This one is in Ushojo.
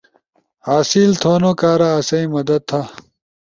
حاصل تھو کارا آسئی مدد تھا